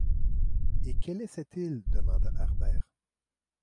Et quelle est cette île? demanda Harbert.